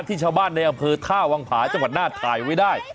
ชาวบ้านในอำเภอท่าวังผาจังหวัดน่านถ่ายไว้ได้